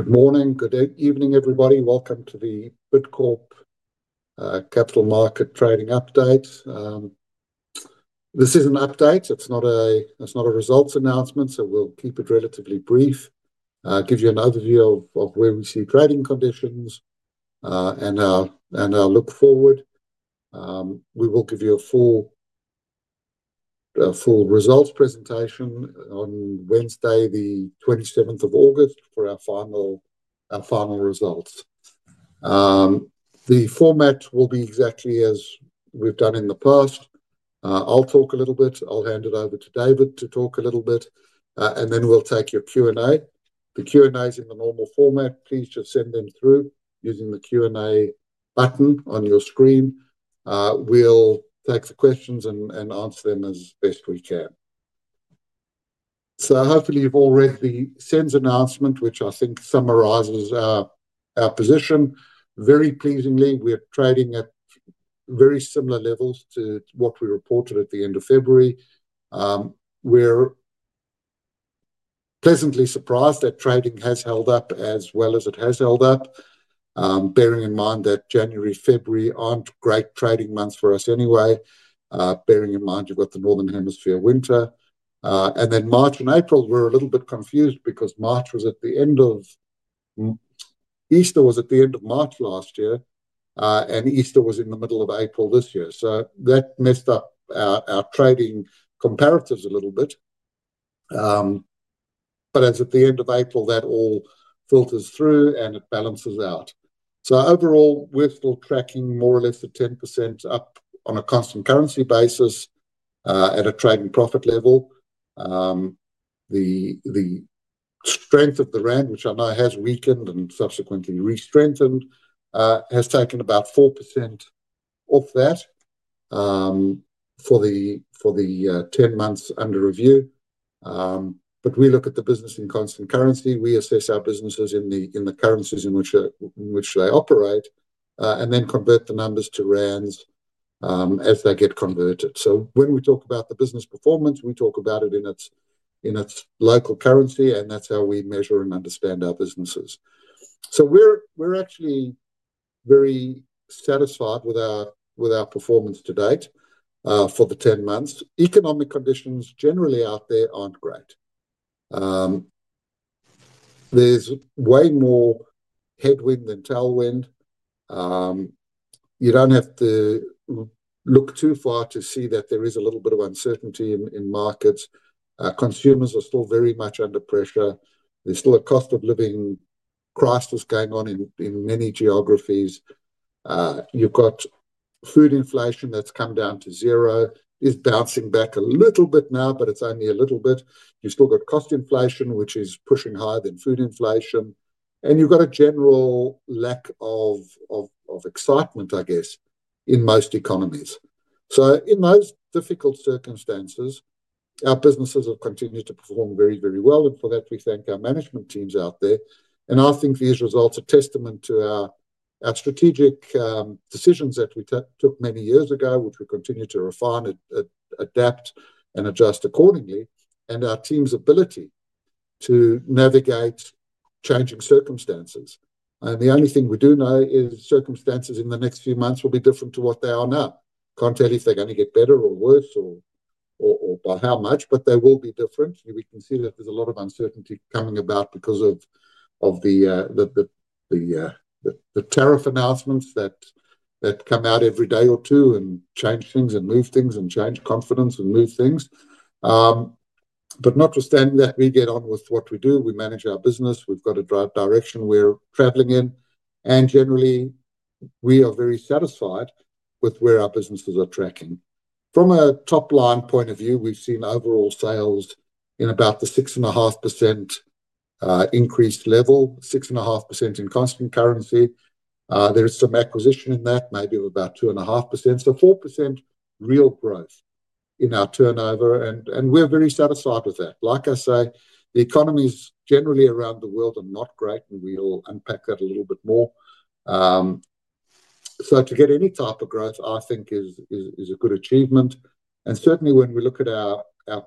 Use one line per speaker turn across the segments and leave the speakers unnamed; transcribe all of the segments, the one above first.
Good morning, good evening, everybody. Welcome to the Bid Corporation capital market trading update. This is an update. It's not a results announcement, so we'll keep it relatively brief, give you an overview of where we see trading conditions, and our look forward. We will give you a full, full results presentation on Wednesday, the 27th of August, for our final, our final results. The format will be exactly as we've done in the past. I'll talk a little bit. I'll hand it over to David to talk a little bit, and then we'll take your Q&A. The Q&A is in the normal format. Please just send them through using the Q&A button on your screen. We'll take the questions and answer them as best we can. Hopefully you've all read the SENS announcement, which I think summarizes our position. Very pleasingly, we're trading at very similar levels to what we reported at the end of February. We're pleasantly surprised that trading has held up as well as it has held up, bearing in mind that January, February are not great trading months for us anyway, bearing in mind you've got the northern hemisphere winter. March and April, we're a little bit confused because March was at the end of—Easter was at the end of March last year, and Easter was in the middle of April this year. That messed up our trading comparisons a little bit. As at the end of April, that all filters through and it balances out. Overall, we're still tracking more or less the 10% up on a constant currency basis, at a trading profit level. The strength of the rand, which I know has weakened and subsequently re-strengthened, has taken about 4% off that for the 10 months under review. We look at the business in constant currency. We assess our businesses in the currencies in which they operate, and then convert the numbers to rands as they get converted. When we talk about the business performance, we talk about it in its local currency, and that's how we measure and understand our businesses. We are actually very satisfied with our performance to date for the 10 months. Economic conditions generally out there are not great. There is way more headwind than tailwind. You do not have to look too far to see that there is a little bit of uncertainty in markets. Consumers are still very much under pressure. is still a cost of living crisis going on in many geographies. You have got food inflation that has come down to zero. It is bouncing back a little bit now, but it is only a little bit. You have still got cost inflation, which is pushing higher than food inflation. You have got a general lack of excitement, I guess, in most economies. In those difficult circumstances, our businesses have continued to perform very, very well. For that, we thank our management teams out there. I think these results are testament to our strategic decisions that we took many years ago, which we continue to refine, adapt and adjust accordingly, and our team's ability to navigate changing circumstances. The only thing we do know is circumstances in the next few months will be different to what they are now. Cannot tell if they are going to get better or worse or by how much, but they will be different. We can see that there is a lot of uncertainty coming about because of the tariff announcements that come out every day or 2 and change things and move things and change confidence and move things. Notwithstanding that, we get on with what we do. We manage our business. We have got a dry direction we are traveling in. Generally, we are very satisfied with where our businesses are tracking. From a top-line point of view, we have seen overall sales in about the 6.5% increased level, 6.5% in constant currency. There is some acquisition in that, maybe of about 2.5%. So 4% real growth in our turnover, and we are very satisfied with that. Like I say, the economies generally around the world are not great, and we'll unpack that a little bit more. To get any type of growth, I think is a good achievement. Certainly, when we look at our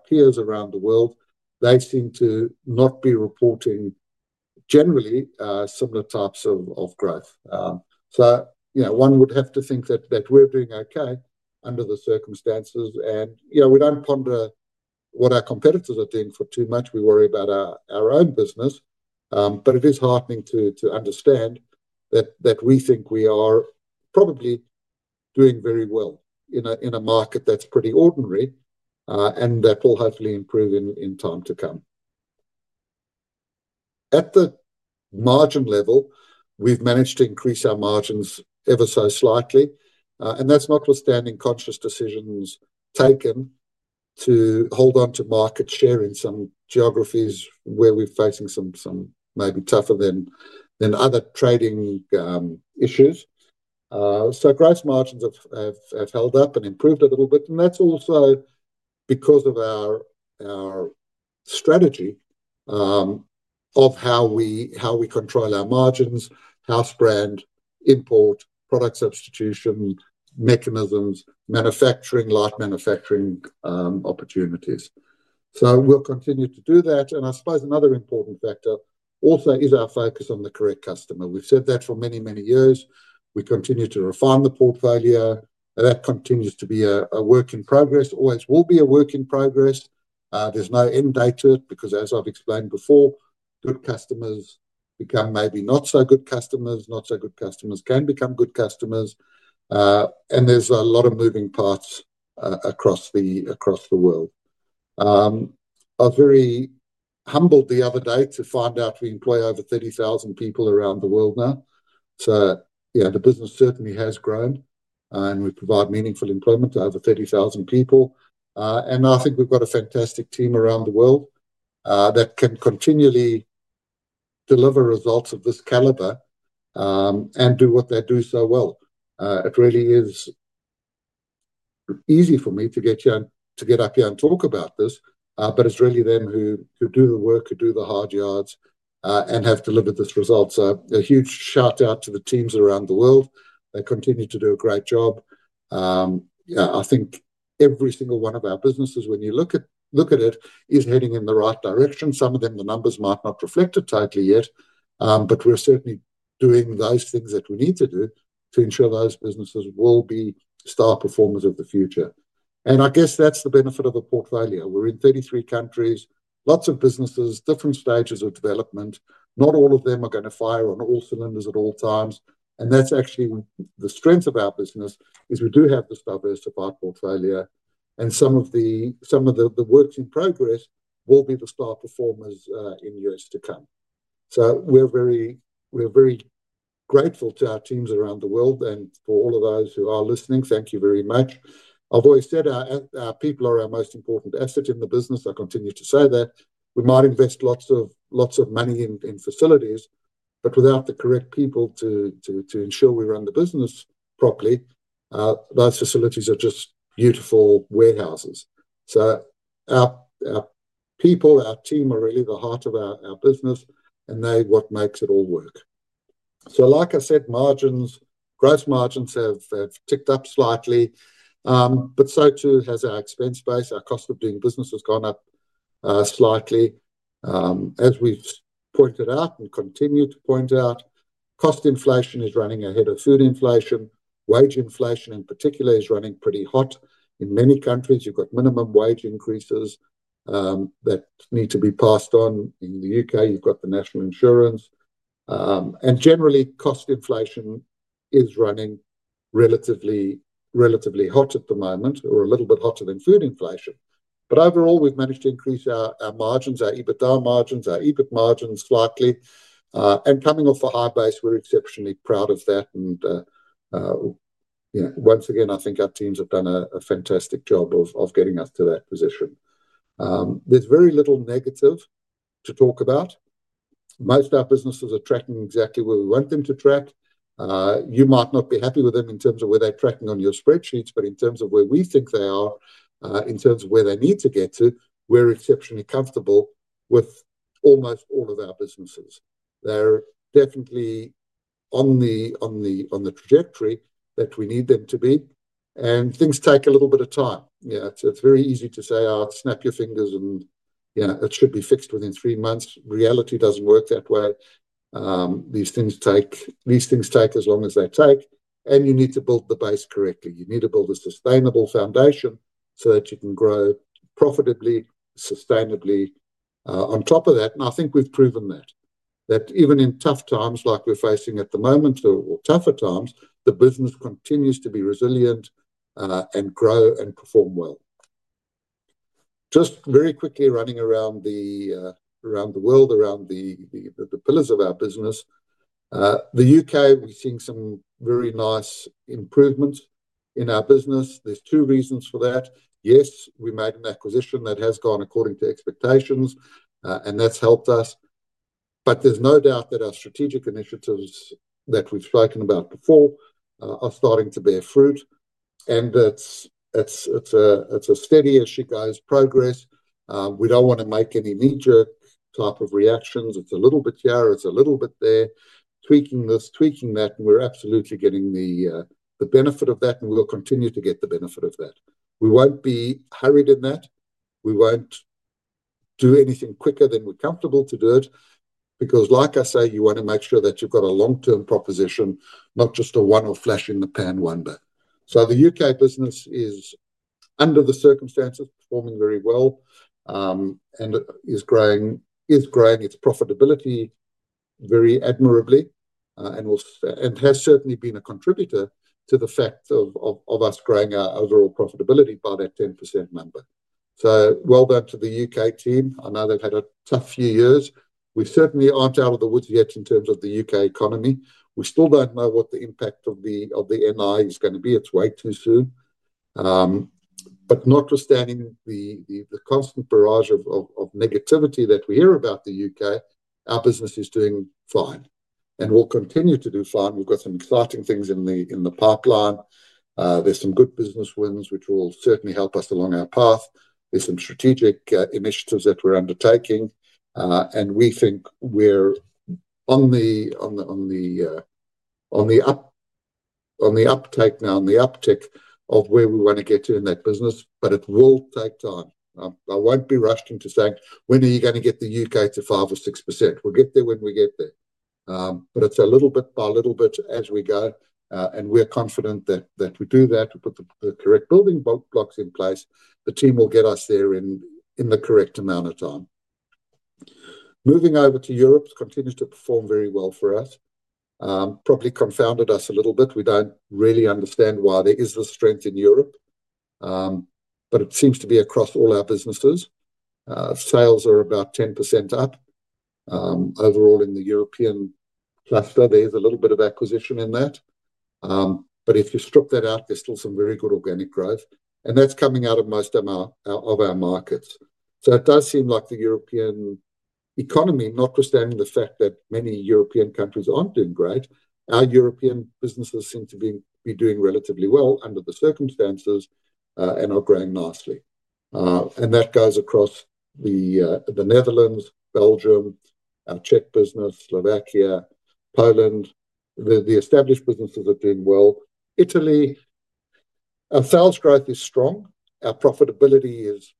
peers around the world, they seem to not be reporting generally similar types of growth. You know, one would have to think that we're doing okay under the circumstances. You know, we don't ponder what our competitors are doing for too much. We worry about our own business. It is heartening to understand that we think we are probably doing very well in a market that's pretty ordinary, and that will hopefully improve in time to come. At the margin level, we've managed to increase our margins ever so slightly. That's notwithstanding conscious decisions taken to hold on to market share in some geographies where we're facing some, maybe tougher than other trading issues. Gross margins have held up and improved a little bit. That's also because of our strategy of how we control our margins, house brand, import, product substitution mechanisms, manufacturing, light manufacturing opportunities. We'll continue to do that. I suppose another important factor also is our focus on the correct customer. We've said that for many, many years. We continue to refine the portfolio. That continues to be a work in progress. Always will be a work in progress. There's no end date to it because, as I've explained before, good customers become maybe not so good customers. Not so good customers can become good customers. There are a lot of moving parts across the world. I was very humbled the other day to find out we employ over 30,000 people around the world now. You know, the business certainly has grown, and we provide meaningful employment to over 30,000 people. I think we've got a fantastic team around the world that can continually deliver results of this caliber and do what they do so well. It really is easy for me to get up here and talk about this, but it's really them who do the work, who do the hard yards, and have delivered this result. A huge shout out to the teams around the world. They continue to do a great job. I think every single one of our businesses, when you look at it, is heading in the right direction. Some of them, the numbers might not reflect it totally yet. We are certainly doing those things that we need to do to ensure those businesses will be star performers of the future. I guess that's the benefit of a portfolio. We are in 33 countries, lots of businesses, different stages of development. Not all of them are going to fire on all cylinders at all times. That is actually the strength of our business, we do have this diversified portfolio. Some of the work in progress will be the star performers in years to come. We are very grateful to our teams around the world. For all of those who are listening, thank you very much. I have always said our people are our most important asset in the business. I continue to say that. We might invest lots of money in facilities, but without the correct people to ensure we run the business properly, those facilities are just beautiful warehouses. Our people, our team, are really the heart of our business, and they are what makes it all work. Like I said, gross margins have ticked up slightly, but so too has our expense base. Our cost of doing business has gone up slightly. As we have pointed out and continue to point out, cost inflation is running ahead of food inflation. Wage inflation, in particular, is running pretty hot. In many countries, you have got minimum wage increases that need to be passed on. In the U.K., you have got the National Insurance, and generally, cost inflation is running relatively hot at the moment, or a little bit hotter than food inflation. Overall, we've managed to increase our margins, our EBITDA margins, our EBIT margins slightly. Coming off a high base, we're exceptionally proud of that. You know, once again, I think our teams have done a fantastic job of getting us to that position. There's very little negative to talk about. Most of our businesses are tracking exactly where we want them to track. You might not be happy with them in terms of where they're tracking on your spreadsheets, but in terms of where we think they are, in terms of where they need to get to, we're exceptionally comfortable with almost all of our businesses. They're definitely on the trajectory that we need them to be. Things take a little bit of time. You know, it's very easy to say, "Oh, snap your fingers and, you know, it should be fixed within 3 months." Reality doesn't work that way. These things take as long as they take. You need to build the base correctly. You need to build a sustainable foundation so that you can grow profitably, sustainably, on top of that. I think we've proven that, that even in tough times like we're facing at the moment or tougher times, the business continues to be resilient, and grow and perform well. Just very quickly running around the world, around the pillars of our business. The U.K., we're seeing some very nice improvements in our business. There's 2 reasons for that. Yes, we made an acquisition that has gone according to expectations, and that's helped us. There is no doubt that our strategic initiatives that we have spoken about before are starting to bear fruit. It is a steady as she goes progress. We do not want to make any knee-jerk type of reactions. It is a little bit here, it is a little bit there, tweaking this, tweaking that. We are absolutely getting the benefit of that, and we will continue to get the benefit of that. We will not be hurried in that. We will not do anything quicker than we are comfortable to do it. Because, like I say, you want to make sure that you have got a long-term proposition, not just a one-off flash in the pan 1 day. The U.K. business is, under the circumstances, performing very well and is growing its profitability very admirably and has certainly been a contributor to the fact of us growing our overall profitability by that 10% number. Well done to the U.K. team. I know they have had a tough few years. We certainly are not out of the woods yet in terms of the U.K. economy. We still do not know what the impact of the NI is going to be. It is way too soon. Notwithstanding the constant barrage of negativity that we hear about the U.K., our business is doing fine and will continue to do fine. We have got some exciting things in the pipeline. There are some good business wins which will certainly help us along our path. There are some strategic initiatives that we are undertaking, and we think we are on the up, on the uptake now, on the uptick of where we want to get to in that business, but it will take time. I will not be rushing to say, "When are you going to get the U.K. to 5% or 6%?" We will get there when we get there, but it is a little bit by a little bit as we go, and we are confident that we do that. We put the correct building blocks in place. The team will get us there in the correct amount of time. Moving over to Europe, it continues to perform very well for us. It probably confounded us a little bit. We do not really understand why there is this strength in Europe, but it seems to be across all our businesses. Sales are about 10% up. Overall in the European cluster, there's a little bit of acquisition in that. If you strip that out, there's still some very good organic growth, and that's coming out of most of our markets. It does seem like the European economy, notwithstanding the fact that many European countries aren't doing great, our European businesses seem to be doing relatively well under the circumstances, and are growing nicely. That goes across the Netherlands, Belgium, our Czech business, Slovakia, Poland. The established businesses are doing well. Italy, our sales growth is strong. Our profitability is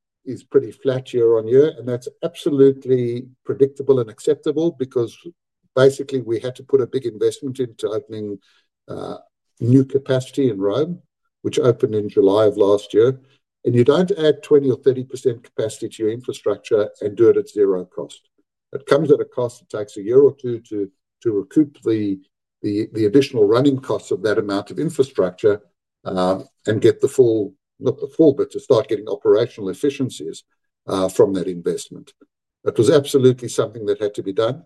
pretty flat year on year, and that's absolutely predictable and acceptable because basically we had to put a big investment into opening new capacity in Rome, which opened in July of last year. You do not add 20% or 30% capacity to your infrastructure and do it at zero cost. It comes at a cost. It takes a year or 2 to recoup the additional running costs of that amount of infrastructure and get the full, not the full, but to start getting operational efficiencies from that investment. It was absolutely something that had to be done.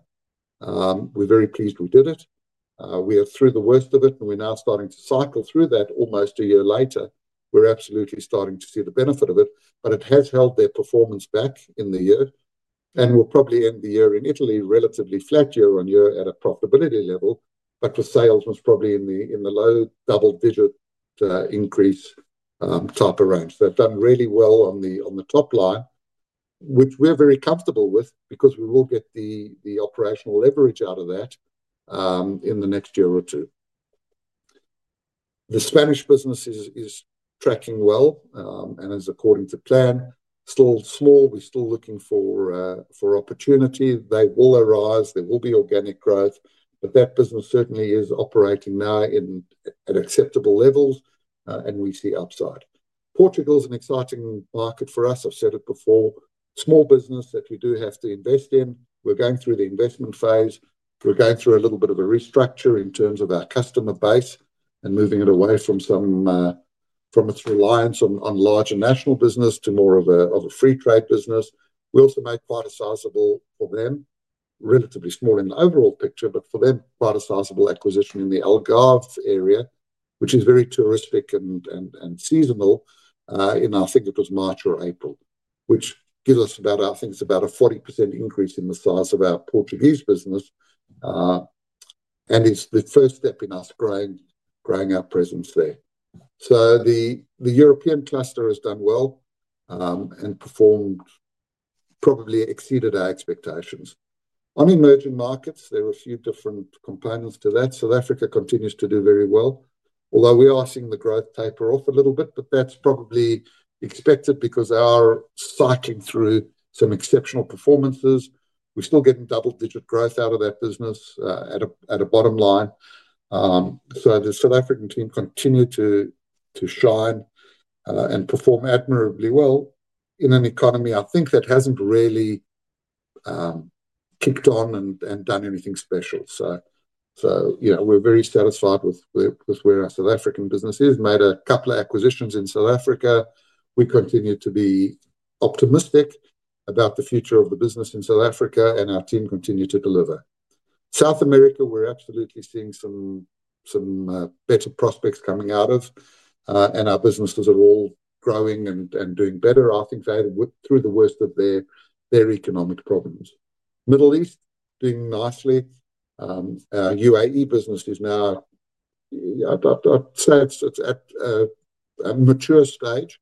We are very pleased we did it. We are through the worst of it, and we are now starting to cycle through that almost a year later. We are absolutely starting to see the benefit of it, but it has held their performance back in the year. We will probably end the year in Italy relatively flat year on year at a profitability level, but the sales was probably in the low double-digit increase type of range. They've done really well on the top line, which we're very comfortable with because we will get the operational leverage out of that in the next year or 2. The Spanish business is tracking well and is according to plan. Still small. We're still looking for opportunity. They will arise. There will be organic growth, but that business certainly is operating now at acceptable levels, and we see upside. Portugal's an exciting market for us. I've said it before. Small business that we do have to invest in. We're going through the investment phase. We're going through a little bit of a restructure in terms of our customer base and moving it away from its reliance on larger national business to more of a free trade business. We also made quite a sizable, for them, relatively small in the overall picture, but for them, quite a sizable acquisition in the Algarve area, which is very touristic and seasonal, in, I think it was March or April, which gives us about, I think it's about a 40% increase in the size of our Portuguese business, and it's the first step in us growing our presence there. The European cluster has done well, and performed, probably exceeded our expectations. On emerging markets, there are a few different components to that. South Africa continues to do very well, although we are seeing the growth taper off a little bit, but that's probably expected because they are cycling through some exceptional performances. We're still getting double-digit growth out of that business, at a bottom line. The South African team continue to shine, and perform admirably well in an economy I think that has not really kicked on and done anything special. You know, we are very satisfied with where our South African business is. Made a couple of acquisitions in South Africa. We continue to be optimistic about the future of the business in South Africa, and our team continue to deliver. South America, we are absolutely seeing some better prospects coming out of, and our businesses are all growing and doing better. I think they have through the worst of their economic problems. Middle East doing nicely. Our UAE business is now, I would say it is at a mature stage,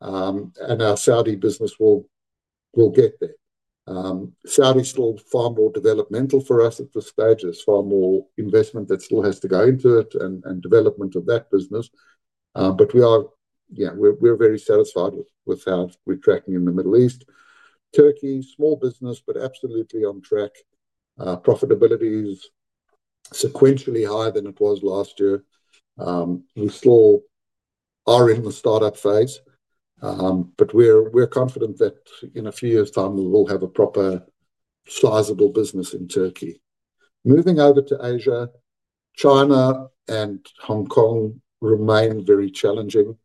and our Saudi business will get there. Saudi is still far more developmental for us at this stage. is far more investment that still has to go into it and development of that business, but we are, yeah, we are very satisfied with how we are tracking in the Middle East. Turkey, small business, but absolutely on track. Profitability is sequentially higher than it was last year. We still are in the startup phase, but we are confident that in a few years' time we will have a proper sizable business in Turkey. Moving over to Asia, China and Hong Kong remain very challenging.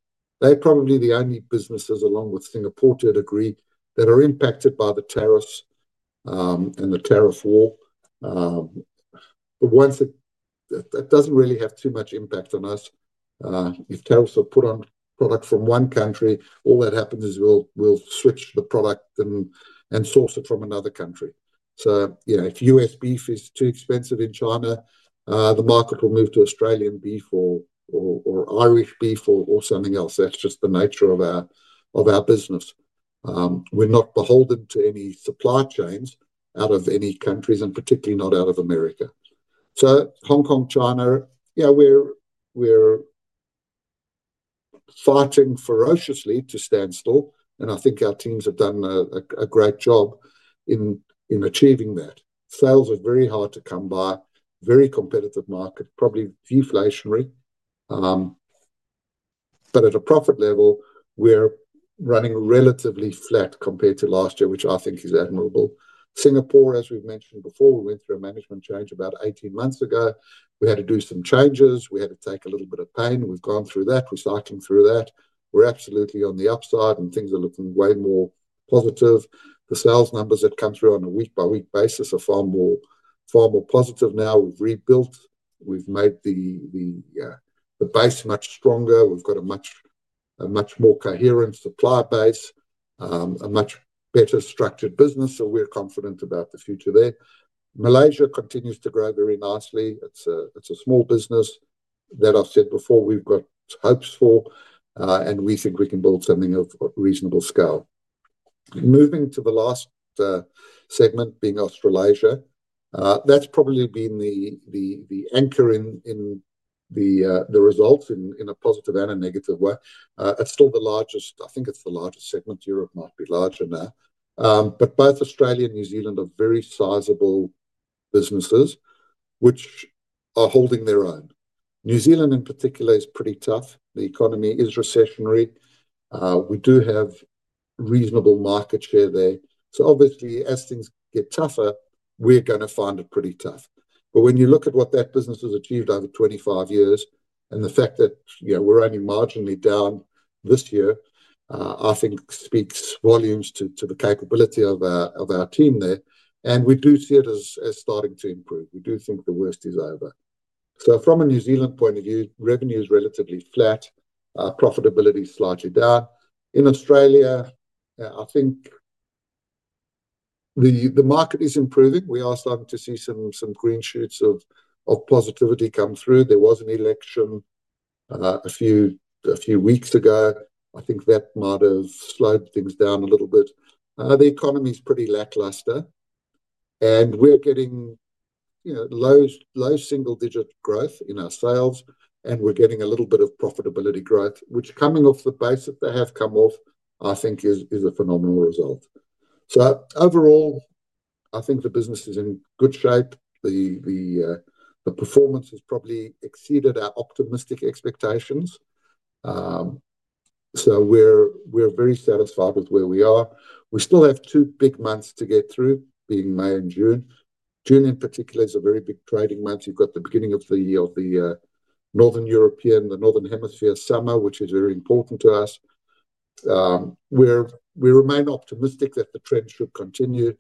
They are probably the only businesses, along with Singapore to a degree, that are impacted by the tariffs and the tariff war. Once it, that does not really have too much impact on us. If tariffs are put on product from one country, all that happens is we will switch the product and source it from another country. You know, if U.S. beef is too expensive in China, the market will move to Australian beef or Irish beef or something else. That is just the nature of our business. We are not beholden to any supply chains out of any countries and particularly not out of America. Hong Kong, China, we are fighting ferociously to stand still. I think our teams have done a great job in achieving that. Sales are very hard to come by, very competitive market, probably deflationary. At a profit level, we are running relatively flat compared to last year, which I think is admirable. Singapore, as we have mentioned before, we went through a management change about 18 months ago. We had to do some changes. We had to take a little bit of pain. We have gone through that, recycling through that. We're absolutely on the upside and things are looking way more positive. The sales numbers that come through on a week-by-week basis are far more, far more positive now. We've rebuilt, we've made the base much stronger. We've got a much, a much more coherent supply base, a much better structured business. So we're confident about the future there. Malaysia continues to grow very nicely. It's a, it's a small business that I've said before we've got hopes for, and we think we can build something of reasonable scale. Moving to the last segment being Australasia, that's probably been the anchor in the results in a positive and a negative way. It's still the largest, I think it's the largest segment. Europe might be larger now. Both Australia and New Zealand are very sizable businesses which are holding their own. New Zealand in particular is pretty tough. The economy is recessionary. We do have reasonable market share there. Obviously as things get tougher, we are going to find it pretty tough. When you look at what that business has achieved over 25 years and the fact that, you know, we're only marginally down this year, I think speaks volumes to the capability of our team there. We do see it as starting to improve. We do think the worst is over. From a New Zealand point of view, revenue is relatively flat. Profitability is slightly down. In Australia, I think the market is improving. We are starting to see some green shoots of positivity come through. There was an election a few weeks ago. I think that might have slowed things down a little bit. The economy is pretty lackluster and we are getting, you know, low, low single-digit growth in our sales and we're getting a little bit of profitability growth, which coming off the base, if they have come off, I think is a phenomenal result. Overall, I think the business is in good shape. The performance has probably exceeded our optimistic expectations, so we're very satisfied with where we are. We still have 2 big months to get through, being May and June. June in particular is a very big trading month. You have the beginning of the Northern European, the Northern Hemisphere summer, which is very important to us. We remain optimistic that the trend should continue.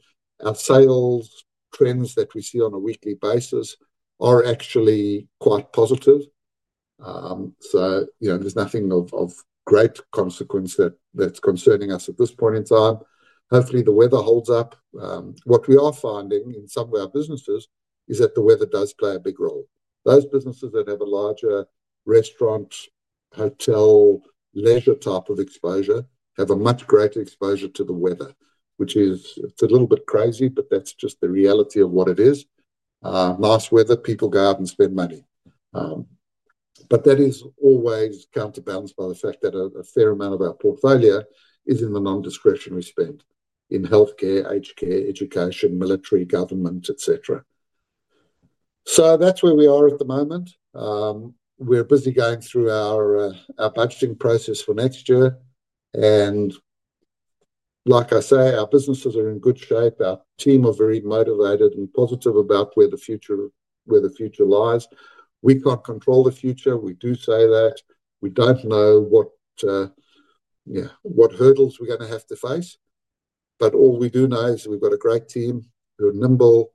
Our sales trends that we see on a weekly basis are actually quite positive. So, you know, there's nothing of great consequence that's concerning us at this point in time. Hopefully the weather holds up. What we are finding in some of our businesses is that the weather does play a big role. Those businesses that have a larger restaurant, hotel, leisure type of exposure have a much greater exposure to the weather, which is, it's a little bit crazy, but that's just the reality of what it is. Nice weather, people go out and spend money. That is always counterbalanced by the fact that a fair amount of our portfolio is in the non-discretionary spend in healthcare, aged care, education, military, government, et cetera. That is where we are at the moment. We're busy going through our budgeting process for next year. Like I say, our businesses are in good shape. Our team are very motivated and positive about where the future lies. We can't control the future. We do say that. We don't know what, yeah, what hurdles we're going to have to face. All we do know is we've got a great team who are nimble,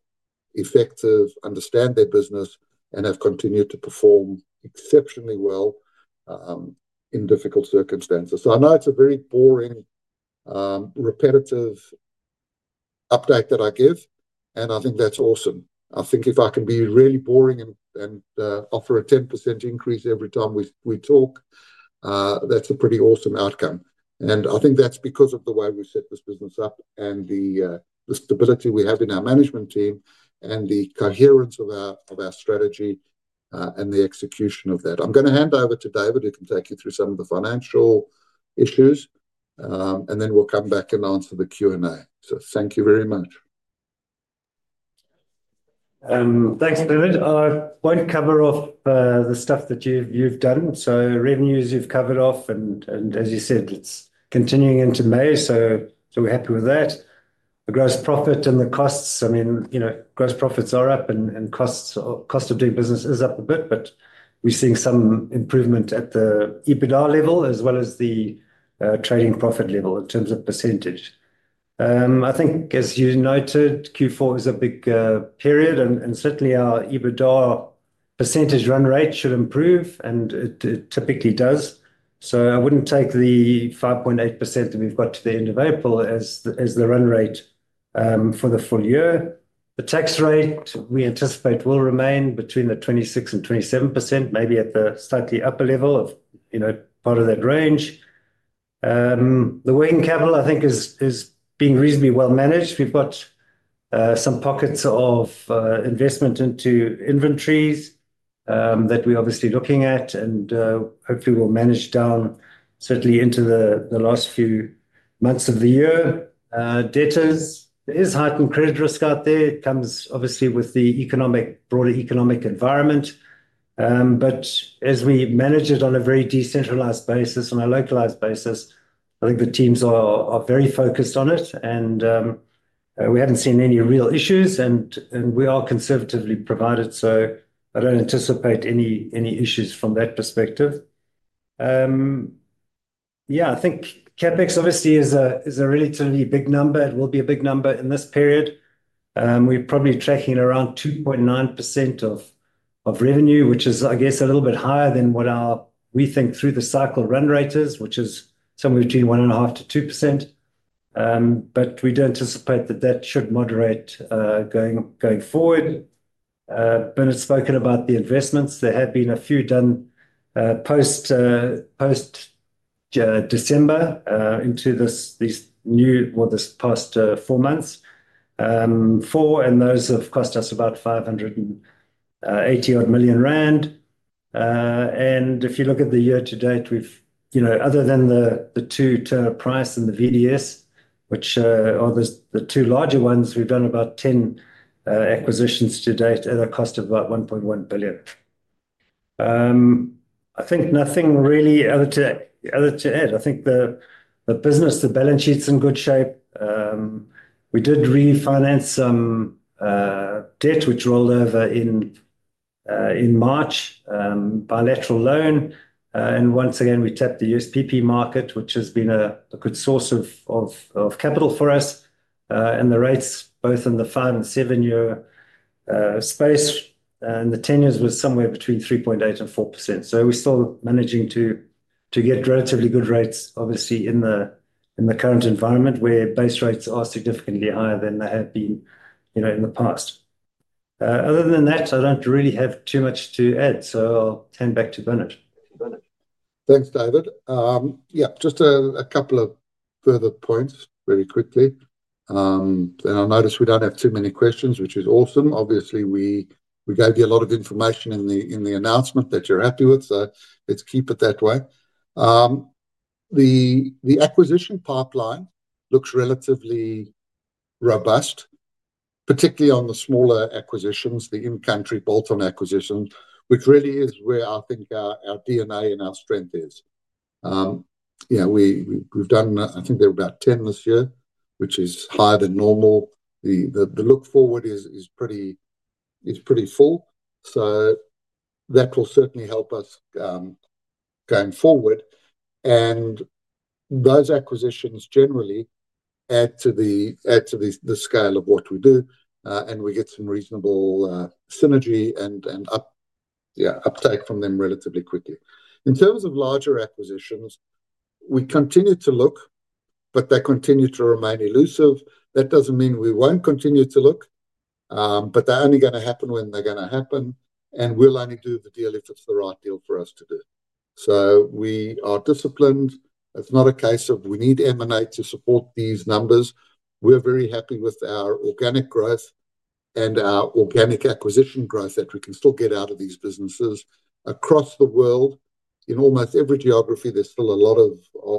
effective, understand their business, and have continued to perform exceptionally well in difficult circumstances. I know it's a very boring, repetitive update that I give, and I think that's awesome. I think if I can be really boring and offer a 10% increase every time we talk, that's a pretty awesome outcome. I think that's because of the way we set this business up and the stability we have in our management team and the coherence of our strategy, and the execution of that. I'm going to hand over to David, who can take you through some of the financial issues, and then we'll come back and answer the Q and A. Thank you very much.
Thanks, David. I won't cover off the stuff that you've done. Revenues you've covered off and, as you said, it's continuing into May, so we're happy with that. The gross profit and the costs, I mean, you know, gross profits are up and costs, cost of doing business is up a bit, but we're seeing some improvement at the EBITDA level as well as the trading profit level in terms of percentage. I think as you noted, Q4 is a big period and certainly our EBITDA percentage run rate should improve and it typically does. I would not take the 5.8% that we have got to the end of April as the run rate for the full year. The tax rate we anticipate will remain between 26-27%, maybe at the slightly upper level of that range. The working capital I think is being reasonably well managed. We have got some pockets of investment into inventories that we are obviously looking at and hopefully we will manage down certainly into the last few months of the year. Debtors is heightened credit risk out there. It comes obviously with the broader economic environment. As we manage it on a very decentralized basis and a localized basis, I think the teams are very focused on it and we have not seen any real issues and we are conservatively provided. I do not anticipate any issues from that perspective. Yeah, I think CapEx obviously is a, is a relatively big number. It will be a big number in this period. We're probably tracking around 2.9% of, of revenue, which is, I guess, a little bit higher than what our, we think through the cycle run rate is, which is somewhere between 1.5% to 2%. But we do anticipate that that should moderate, going, going forward. Ben had spoken about the investments. There had been a few done, post, post, December, into this, these new, well, this past, 4 months, 4, and those have cost us about 580 million rand. And if you look at the year to date, we've, you know, other than the, the 2 Turner Price and the VDS, which, are the, the 2 larger 1s, we've done about 10 acquisitions to date at a cost of about 1.1 billion. I think nothing really other to add. I think the business, the balance sheet's in good shape. We did refinance some debt which rolled over in March, bilateral loan. Once again, we tapped the USPP market, which has been a good source of capital for us. The rates both in the 5 and 7 year space and the 10 years was somewhere between 3.8-4%. We are still managing to get relatively good rates, obviously in the current environment where base rates are significantly higher than they have been, you know, in the past. Other than that, I do not really have too much to add. I will hand back to Ben.
Thanks, David. Yeah, just a couple of further points very quickly. I noticed we do not have too many questions, which is awesome. Obviously we gave you a lot of information in the announcement that you're happy with. Let's keep it that way. The acquisition pipeline looks relatively robust, particularly on the smaller acquisitions, the in-country bolt-on acquisitions, which really is where I think our DNA and our strength is. Yeah, we've done, I think there were about 10 this year, which is higher than normal. The look forward is pretty full. That will certainly help us going forward. Those acquisitions generally add to the scale of what we do, and we get some reasonable synergy and uptake from them relatively quickly. In terms of larger acquisitions, we continue to look, but they continue to remain elusive. That does not mean we will not continue to look, but they are only going to happen when they are going to happen. We will only do the deal if it is the right deal for us to do. We are disciplined. It is not a case of we need M&A to support these numbers. We are very happy with our organic growth and our organic acquisition growth that we can still get out of these businesses across the world. In almost every geography, there is still a lot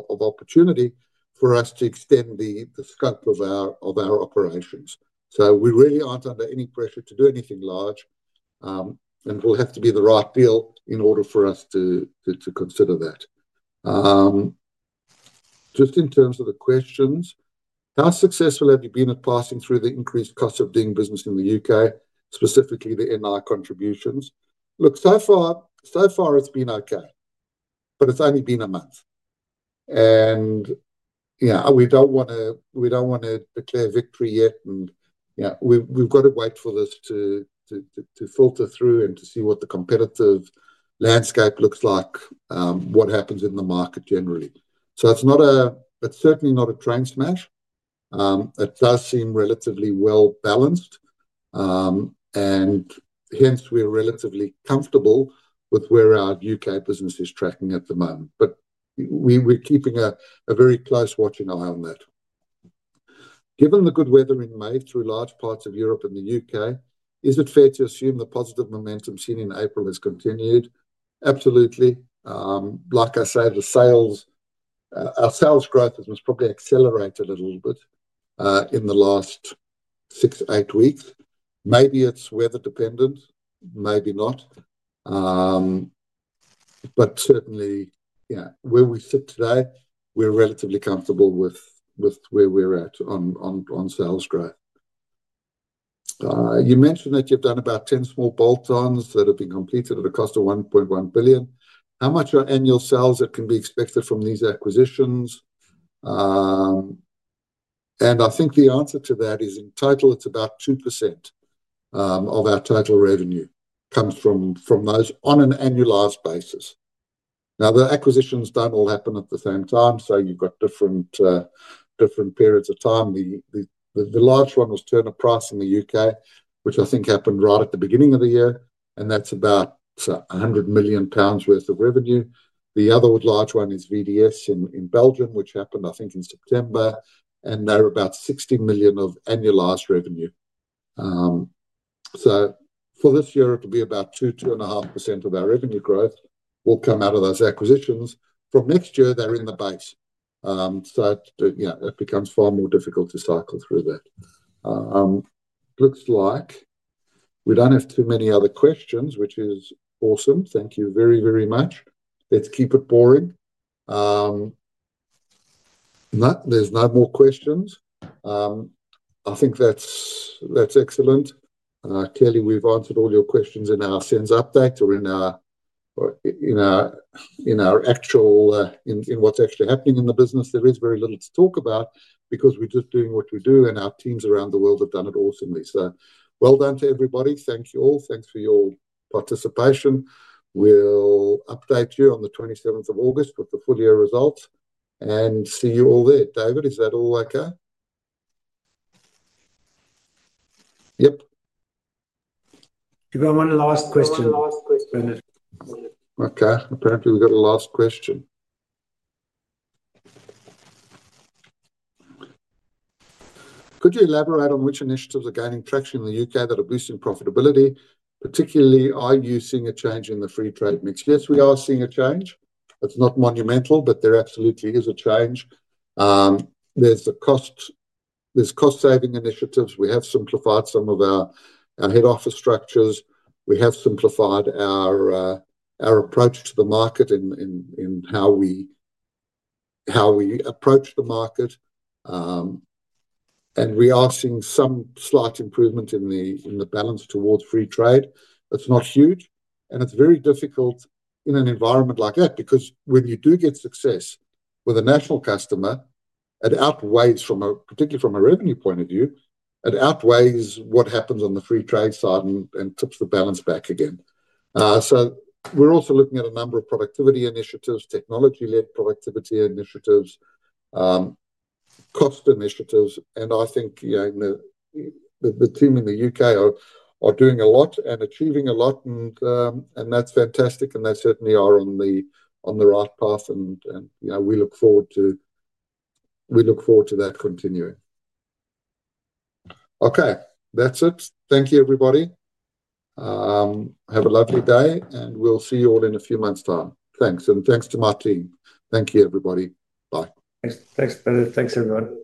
of opportunity for us to extend the scope of our operations. We really are not under any pressure to do anything large, and it will have to be the right deal in order for us to consider that. Just in terms of the questions, how successful have you been at passing through the increased cost of doing business in the U.K., specifically the NI contributions? Look, so far, so far it's been okay, but it's only been a month. Yeah, we don't want to, we don't want to declare victory yet. Yeah, we've got to wait for this to filter through and to see what the competitive landscape looks like, what happens in the market generally. It's not a, it's certainly not a train smash. It does seem relatively well balanced, and hence we are relatively comfortable with where our U.K. business is tracking at the moment. We are keeping a very close watching eye on that. Given the good weather in May through large parts of Europe and the U.K., is it fair to assume the positive momentum seen in April has continued? Absolutely. Like I say, the sales, our sales growth has probably accelerated a little bit in the last 6-eight weeks. Maybe it is weather dependent, maybe not. Certainly, you know, where we sit today, we are relatively comfortable with where we are at on sales growth. You mentioned that you have done about 10 small bolt-ons that have been completed at a cost of 1.1 billion. How much are annual sales that can be expected from these acquisitions? I think the answer to that is in total, it is about 2% of our total revenue comes from those on an annualized basis. Now, the acquisitions do not all happen at the same time. You've got different periods of time. The large 1 was Turner Price in the U.K., which I think happened right at the beginning of the year. That's about 100 million pounds worth of revenue. The other large 1 is VDS in Belgium, which happened I think in September. They're about 60 million of annualized revenue. For this year, it'll be about 2-2.5% of our revenue growth will come out of those acquisitions. From next year, they're in the base, so it becomes far more difficult to cycle through that. Looks like we don't have too many other questions, which is awesome. Thank you very, very much. Let's keep it boring. No, there's no more questions. I think that's excellent. Clearly we've answered all your questions in our SENS update or in our, or in our, in our actual, in, in what's actually happening in the business. There is very little to talk about because we're just doing what we do and our teams around the world have done it awesomely. So well done to everybody. Thank you all. Thanks for your participation. We'll update you on the 27th of August with the full year results and see you all there. David, is that all okay?
Yep. Do you have 1 last question? 1 last question.
Okay. Apparently we've got a last question. Could you elaborate on which initiatives are gaining traction in the U.K. that are boosting profitability, particularly are you seeing a change in the free trade mix? Yes, we are seeing a change. It's not monumental, but there absolutely is a change. There are cost saving initiatives. We have simplified some of our head office structures. We have simplified our approach to the market in how we approach the market. We are seeing some slight improvement in the balance towards free trade. It is not huge and it is very difficult in an environment like that because when you do get success with a national customer, it outweighs, particularly from a revenue point of view, what happens on the free trade side and tips the balance back again. We are also looking at a number of productivity initiatives, technology-led productivity initiatives, cost initiatives. I think the team in the U.K. are doing a lot and achieving a lot, and that is fantastic. They certainly are on the right path and, you know, we look forward to that continuing. Okay, that's it. Thank you everybody. Have a lovely day and we'll see you all in a few months' time. Thanks. And thanks to my team. Thank you everybody. Bye.
Thanks. Thanks, Ben. Thanks everyone.